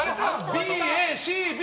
Ｂ、Ａ、Ｃ、Ｂ。